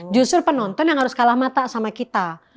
justru penonton yang harus kalah mata sama kita